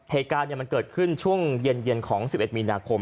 เหตุการณ์มันเกิดขึ้นช่วงเย็นของ๑๑มีนาคม